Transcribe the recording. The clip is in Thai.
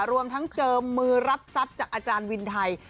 รวมทั้งเจิมมือรับทรัพย์จากอาจารย์วินไทย